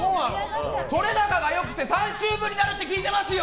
撮れ高がよくて３週分になるって聞いてますよ！